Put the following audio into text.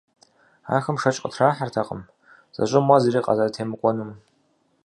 Ахэм шэч къытрахьэртэкъым зэщӏыгъумэ, зыри къазэрытемыкӏуэнум.